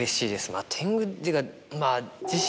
まぁ天狗っていうか。